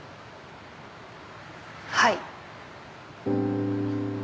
はい。